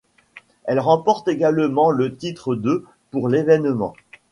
Elle remporte également le titre de pour l’événement.